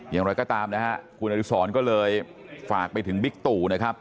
อย่างไรก็ตามนะฮะคุณอดิษรก็เลยฝากไปถึงบิ๊กตู่นะครับ